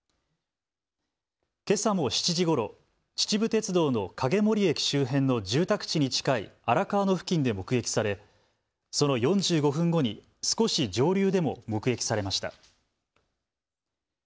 けさも７時ごろ、秩父鉄道の影森駅周辺の住宅地に近い荒川の付近で目撃され、その４５分後に少し上流でも目撃されました。